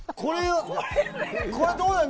これどうなの？